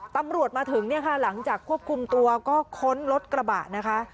ตำรวจมาถึงเนี่ยค่ะหลังจากควบคุมตัวก็ค้นรถกระบะนะคะ